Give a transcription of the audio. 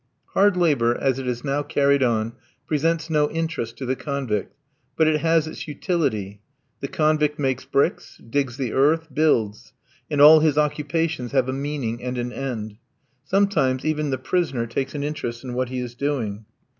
Hard labour, as it is now carried on, presents no interest to the convict; but it has its utility. The convict makes bricks, digs the earth, builds; and all his occupations have a meaning and an end. Sometimes, even the prisoner takes an interest in what he is doing.